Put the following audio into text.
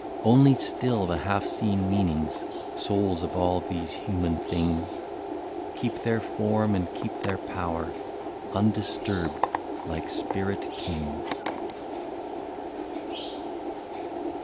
Only still the half seen meanings, Souls of all these human things. Keep their form and keep their power, Undisturbed, like spirit kings.